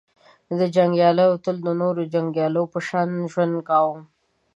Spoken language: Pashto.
• جنګیالیو تل د نورو جنګیالیو په شان ژوند کاوه.